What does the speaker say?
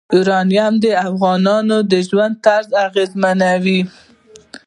یورانیم د افغانانو د ژوند طرز اغېزمنوي.